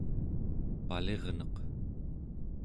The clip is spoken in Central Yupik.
palirneq